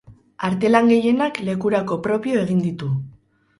Artelan gehienak lekurako propio egin ditu.